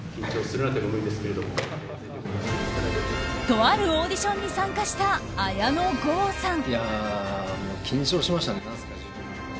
とあるオーディションに参加した綾野剛さん。